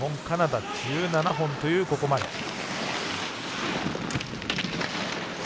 カナダ１７本というここまで。